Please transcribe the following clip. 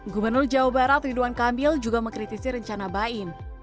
gubernur jawa barat ridwan kamil juga mengkritisi rencana baim